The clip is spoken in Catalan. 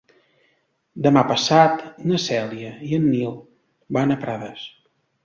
Demà passat na Cèlia i en Nil van a Prades.